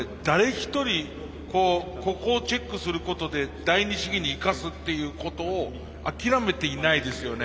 一人ここをチェックすることで第ニ試技に生かすっていうことを諦めていないですよね。